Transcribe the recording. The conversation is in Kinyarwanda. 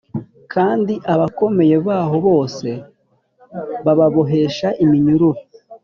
kandi abakomeye baho bose bababohesha iminyururu.